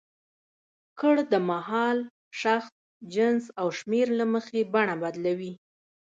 کړ د مهال، شخص، جنس او شمېر له مخې بڼه بدلوي.